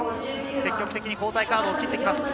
積極的に交代カードを切ってきます。